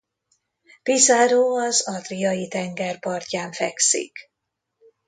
Pesaro az Adriai-tenger partján fekszik.